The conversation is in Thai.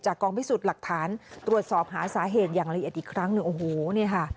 กองพิสูจน์หลักฐานตรวจสอบหาสาเหตุอย่างละเอียดอีกครั้งหนึ่งโอ้โหเนี่ยค่ะ